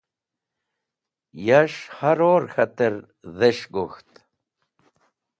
Yash haror k̃hatẽr dhes̃h gok̃ht.